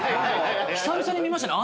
久々に見ましたね